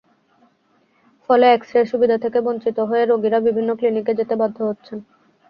ফলে এক্স-রের সুবিধা থেকে বঞ্চিত হয়ে রোগীরা বিভিন্ন ক্লিনিকে যেতে বাধ্য হচ্ছেন।